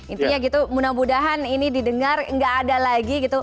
intinya gitu mudah mudahan ini didengar nggak ada lagi gitu